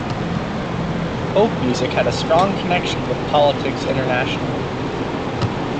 Folk music had a strong connection with politics internationally.